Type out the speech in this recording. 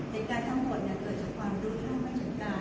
เห็นการทั้งหมดเกิดจากความรู้ถ้าไม่เห็นการ